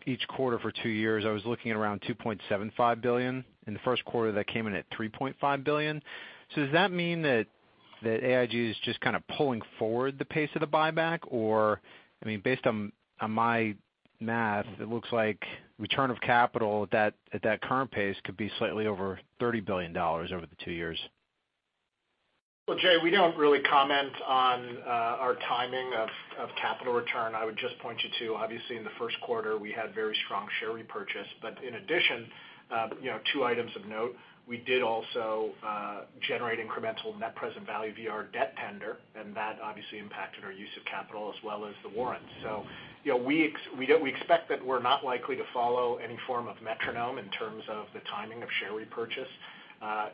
each quarter for 2 years, I was looking at around $2.75 billion. In the first quarter, that came in at $3.5 billion. Does that mean that AIG is just kind of pulling forward the pace of the buyback? I mean, based on my math, it looks like return of capital at that current pace could be slightly over $30 billion over the 2 years. Well, Jay, we don't really comment on our timing of capital return. I would just point you to, obviously, in the first quarter, we had very strong share repurchase. In addition, 2 items of note, we did also generate incremental net present value via our debt tender, and that obviously impacted our use of capital as well as the warrants. We expect that we're not likely to follow any form of metronome in terms of the timing of share repurchase.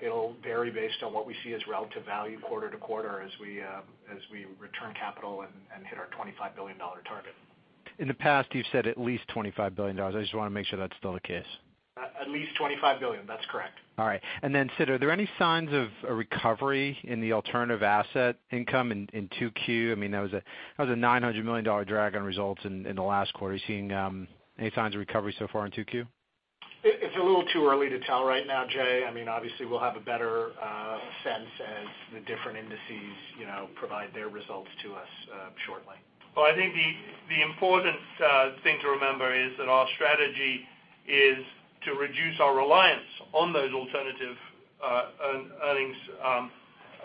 It'll vary based on what we see as relative value quarter to quarter as we return capital and hit our $25 billion target. In the past, you've said at least $25 billion. I just want to make sure that's still the case. At least $25 billion. That's correct. All right. Sid, are there any signs of a recovery in the alternative asset income in 2Q? That was a $900 million drag on results in the last quarter. Are you seeing any signs of recovery so far in 2Q? It's a little too early to tell right now, Jay. Obviously, we'll have a better sense as the different indices provide their results to us shortly. Well, I think the important thing to remember is that our strategy is to reduce our reliance on those alternative earnings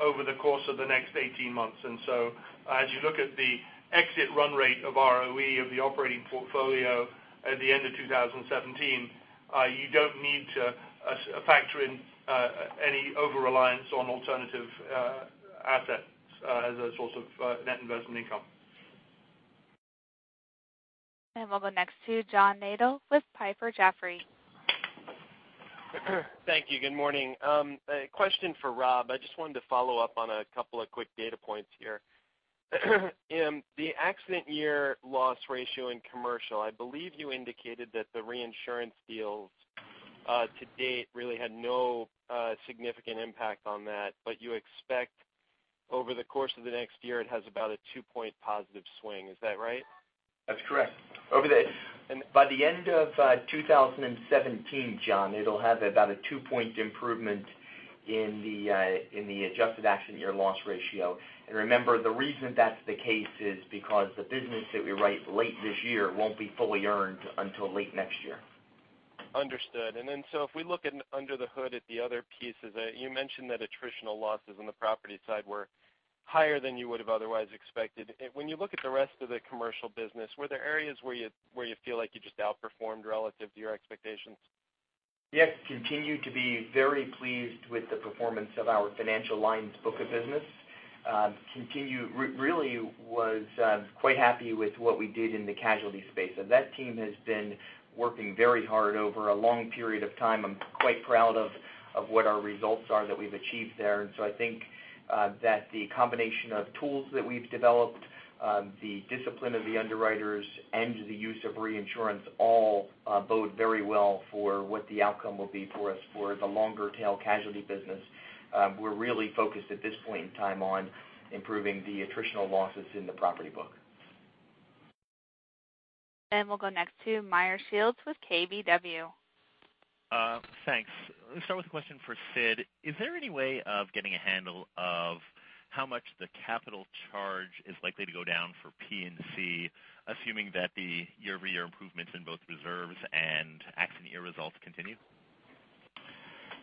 over the course of the next 18 months. As you look at the exit run rate of ROE of the operating portfolio at the end of 2017, you don't need to factor in any over-reliance on alternative assets as a source of net investment income. We'll go next to John Nadel with Piper Jaffray. Thank you. Good morning. A question for Rob. I just wanted to follow up on a couple of quick data points here. The accident year loss ratio in Commercial, I believe you indicated that the reinsurance deals to date really had no significant impact on that, but you expect over the course of the next year, it has about a two-point positive swing. Is that right? That's correct. By the end of 2017, John, it'll have about a two-point improvement in the adjusted accident year loss ratio. Remember, the reason that's the case is because the business that we write late this year won't be fully earned until late next year. Understood. If we look under the hood at the other pieces, you mentioned that attritional losses on the property side were higher than you would've otherwise expected. When you look at the rest of the Commercial business, were there areas where you feel like you just outperformed relative to your expectations? Yes. Continue to be very pleased with the performance of our financial lines book of business. Really was quite happy with what we did in the casualty space, that team has been working very hard over a long period of time. I'm quite proud of what our results are that we've achieved there. I think that the combination of tools that we've developed, the discipline of the underwriters, and the use of reinsurance all bode very well for what the outcome will be for us for the longer tail casualty business. We're really focused at this point in time on improving the attritional losses in the property book. We'll go next to Meyer Shields with KBW. Thanks. Let me start with a question for Sid. Is there any way of getting a handle of how much the capital charge is likely to go down for P&C, assuming that the year-over-year improvements in both reserves and accident year results continue?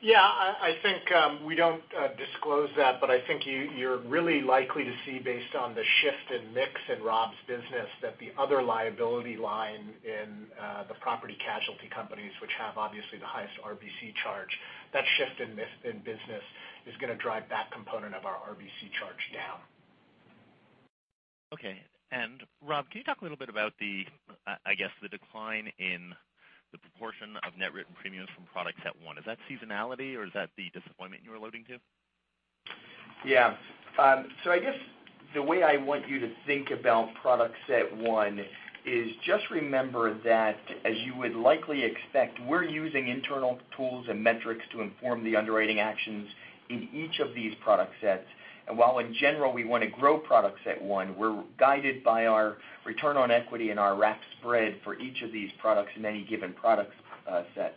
Yeah, I think we don't disclose that, I think you're really likely to see based on the shift in mix in Rob's business, that the other liability line in the property casualty companies, which have obviously the highest RBC charge, that shift in business is going to drive that component of our RBC charge down. Okay. Rob, can you talk a little bit about the decline in the proportion of net written premiums from Product Set 1? Is that seasonality or is that the disappointment you were alluding to? Yeah. I guess the way I want you to think about Product Set 1 is just remember that as you would likely expect, we're using internal tools and metrics to inform the underwriting actions in each of these product sets. While in general, we want to grow Product Set 1, we're guided by our return on equity and our RAC spread for each of these products in any given product set.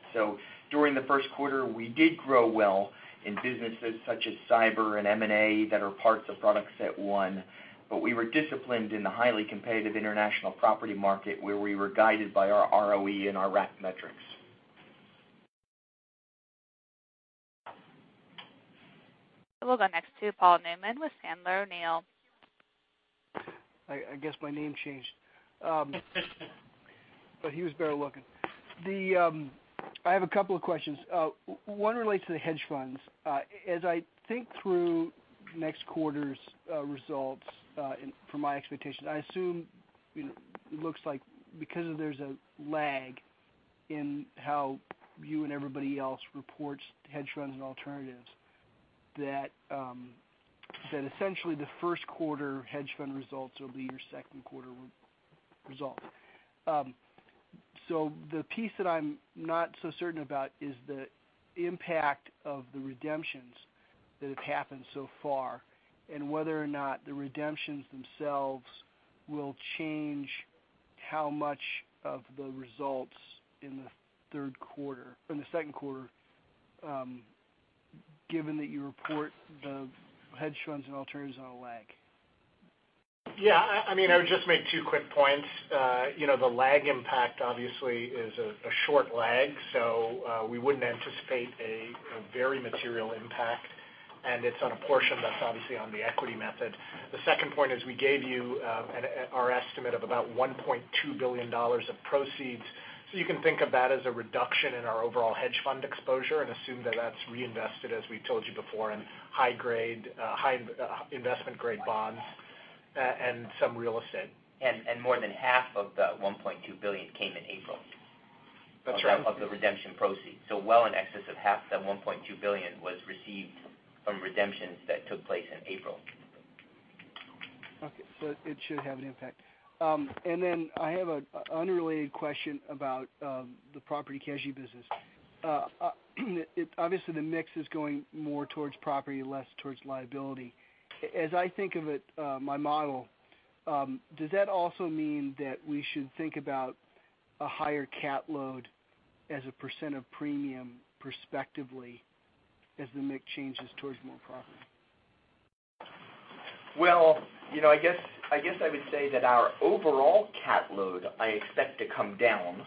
During the first quarter, we did grow well in businesses such as cyber and M&A that are parts of Product Set 1, but we were disciplined in the highly competitive international property market where we were guided by our ROE and our RAC metrics. We'll go next to Paul Newsome with Sandler O'Neill. I guess my name changed. He was better looking. I have a couple of questions. One relates to the hedge funds. As I think through next quarter's results for my expectations, I assume it looks like because there's a lag in how you and everybody else reports hedge funds and alternatives, that essentially the first quarter hedge fund results will be your second quarter results. The piece that I'm not so certain about is the impact of the redemptions that have happened so far, and whether or not the redemptions themselves will change how much of the results in the second quarter given that you report the hedge funds and alternatives on a lag. Yeah, I would just make two quick points. The lag impact obviously is a short lag, so we wouldn't anticipate a very material impact, and it's on a portion that's obviously on the equity method. The second point is we gave you our estimate of about $1.2 billion of proceeds. You can think of that as a reduction in our overall hedge fund exposure and assume that's reinvested, as we told you before, in high investment grade bonds and some real estate. More than half of that $1.2 billion came in April. That's right. Of the redemption proceeds. Well in excess of half that $1.2 billion was received from redemptions that took place in April. Okay, it should have an impact. Then I have an unrelated question about the property casualty business. Obviously, the mix is going more towards property and less towards liability. As I think of it, my model, does that also mean that we should think about a higher cat load as a % of premium prospectively as the mix changes towards more property? Well, I guess I would say that our overall cat load, I expect to come down.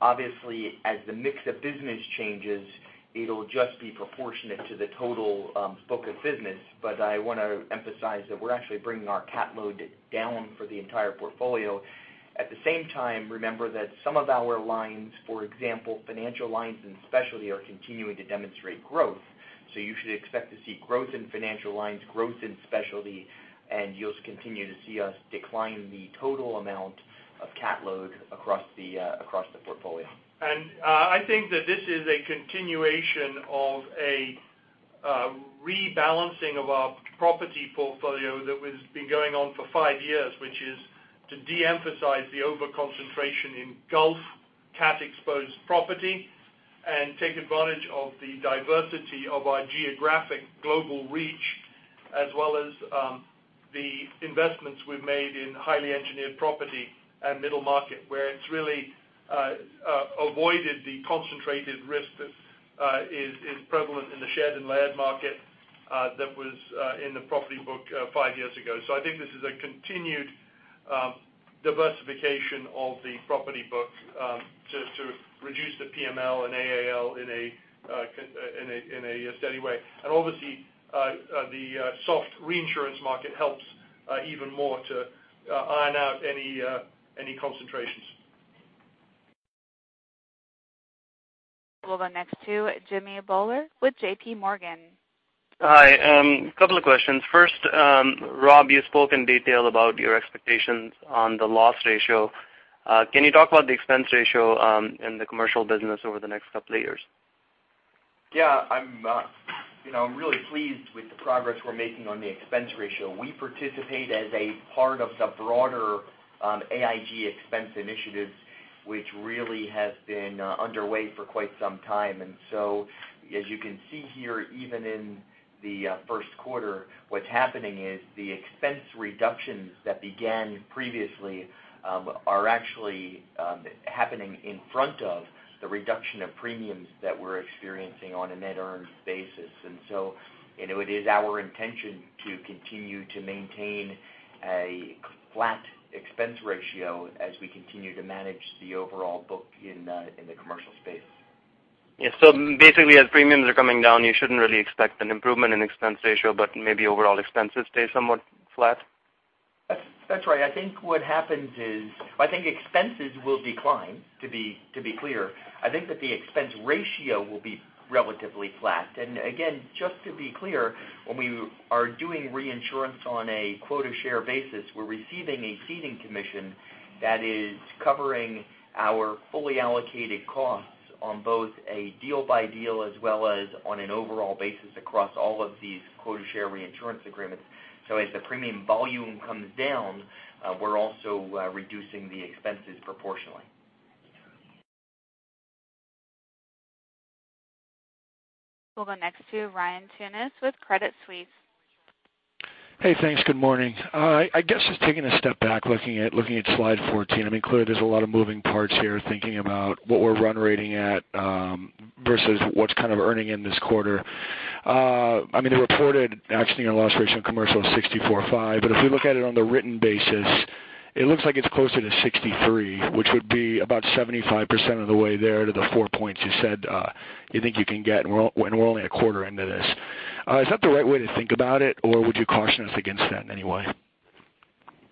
Obviously, as the mix of business changes, it'll just be proportionate to the total book of business. I want to emphasize that we're actually bringing our cat load down for the entire portfolio. At the same time, remember that some of our lines, for example, financial lines and specialty, are continuing to demonstrate growth. You should expect to see growth in financial lines, growth in specialty, and you'll continue to see us decline the total amount of cat load across the portfolio. I think that this is a continuation of a rebalancing of our property portfolio that has been going on for five years, which is to de-emphasize the over-concentration in Gulf cat-exposed property and take advantage of the diversity of our geographic global reach, as well as the investments we've made in highly engineered property and middle market, where it's really avoided the concentrated risk that is prevalent in the shared and layered market that was in the property book five years ago. I think this is a continued diversification of the property book to reduce the PML and AAL in a steady way. Obviously, the soft reinsurance market helps even more to iron out any concentrations. We'll go next to Jimmy Bhullar with J.P. Morgan. Hi. Couple of questions. First, Rob, you spoke in detail about your expectations on the loss ratio. Can you talk about the expense ratio in the commercial business over the next couple of years? Yeah, I'm really pleased with the progress we're making on the expense ratio. We participate as a part of the broader AIG expense initiatives, which really has been underway for quite some time. As you can see here, even in the first quarter, what's happening is the expense reductions that began previously are actually happening in front of the reduction of premiums that we're experiencing on a net earned basis. It is our intention to continue to maintain a flat expense ratio as we continue to manage the overall book in the commercial space. Yeah. Basically, as premiums are coming down, you shouldn't really expect an improvement in expense ratio, but maybe overall expenses stay somewhat flat? That's right. I think what happens is, I think expenses will decline, to be clear. I think that the expense ratio will be relatively flat. Again, just to be clear, when we are doing reinsurance on a quota share basis, we're receiving a ceding commission that is covering our fully allocated costs on both a deal by deal as well as on an overall basis across all of these quota share reinsurance agreements. As the premium volume comes down, we're also reducing the expenses proportionally. We'll go next to Ryan Tunis with Credit Suisse. Hey, thanks. Good morning. I guess just taking a step back, looking at slide 14. I mean, clearly there's a lot of moving parts here, thinking about what we're run rating at versus what's kind of earning in this quarter. I mean, the reported accident year loss ratio in commercial is 64.5, but if we look at it on the written basis, it looks like it's closer to 63, which would be about 75% of the way there to the four points you said you think you can get, and we're only a quarter into this. Is that the right way to think about it, or would you caution us against that in any way?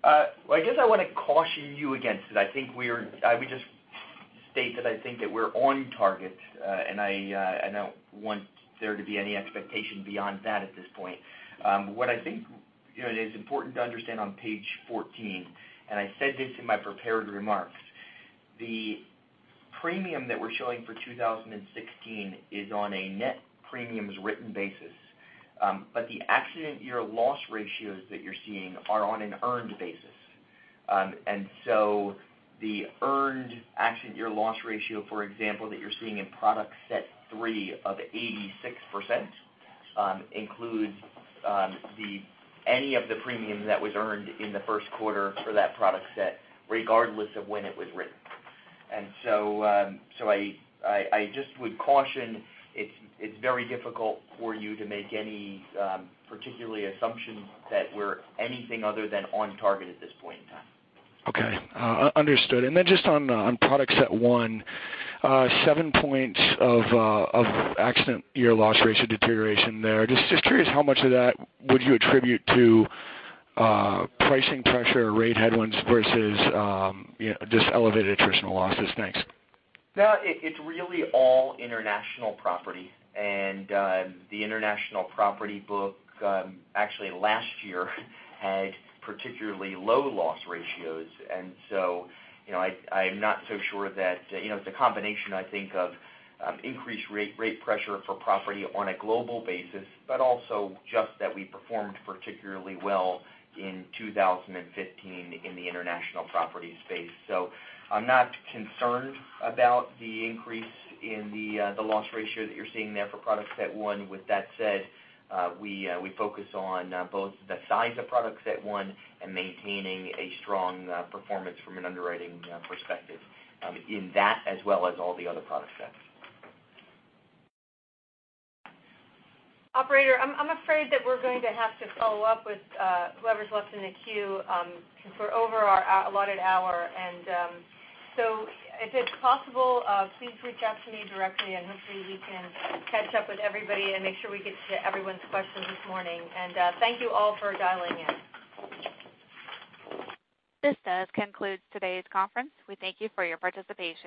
I guess I want to caution you against it. I would just state that I think that we're on target, and I don't want there to be any expectation beyond that at this point. What I think is important to understand on page 14, and I said this in my prepared remarks, the premium that we're showing for 2016 is on a net premiums written basis. The accident year loss ratios that you're seeing are on an earned basis. The earned accident year loss ratio, for example, that you're seeing in Product Set 3 of 86% includes any of the premium that was earned in the first quarter for that product set, regardless of when it was written. I just would caution, it's very difficult for you to make any particular assumption that we're anything other than on target at this point in time. Okay. Understood. Just on Product Set 1, seven points of accident year loss ratio deterioration there. Just curious how much of that would you attribute to pricing pressure or rate headwinds versus just elevated attritional losses? Thanks. No, it's really all international property. The international property book, actually last year had particularly low loss ratios. I'm not so sure that, it's a combination, I think, of increased rate pressure for property on a global basis, but also just that we performed particularly well in 2015 in the international property space. I'm not concerned about the increase in the loss ratio that you're seeing there for Product Set 1. With that said, we focus on both the size of Product Set 1 and maintaining a strong performance from an underwriting perspective in that as well as all the other product sets. Operator, I'm afraid that we're going to have to follow up with whoever's left in the queue because we're over our allotted hour. If it's possible, please reach out to me directly and hopefully we can catch up with everybody and make sure we get to everyone's questions this morning. Thank you all for dialing in. This does conclude today's conference. We thank you for your participation.